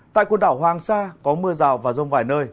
tại quần đảo hoàng sa có mưa rào và rông vài nơi